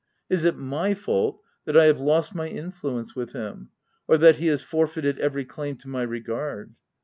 Is it my fault that I have lost my influence with him, or that he has forfeited every claim to my regard